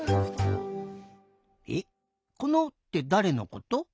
えっ「この」ってだれのこと？